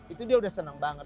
itu dia udah senang banget